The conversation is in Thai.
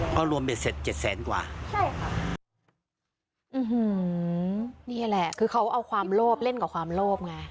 พอรวมเบ็ดเสร็จเจ็ดแสนกว่าใช่ค่ะอืมนี่แหละคือเขาเอาความโลภเล่นกับความโลภไง